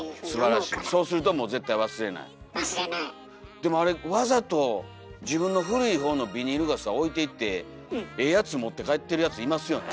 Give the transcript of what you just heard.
でもあれわざと自分の古い方のビニール傘を置いていってええやつ持って帰ってるやついますよね。